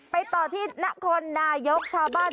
ไปต่อที่นครนายกชาวบ้าน